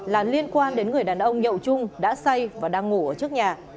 là liên quan đến người đàn ông nhậu chung đã say và đang ngủ ở trước nhà